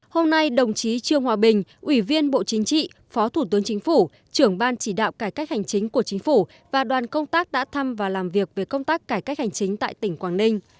hôm nay đồng chí trương hòa bình ủy viên bộ chính trị phó thủ tướng chính phủ trưởng ban chỉ đạo cải cách hành chính của chính phủ và đoàn công tác đã thăm và làm việc về công tác cải cách hành chính tại tỉnh quảng ninh